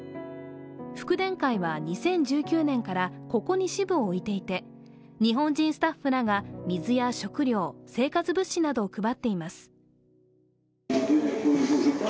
福田会は２０１９年から、ここに支部を置いていて日本人スタッフらが水や食料生活物資などを配っています。